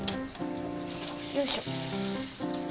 よいしょ。